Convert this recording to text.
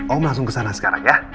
om langsung kesana sekarang ya